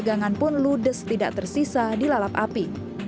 pegangan pun ludes tidak tersisa di lalap api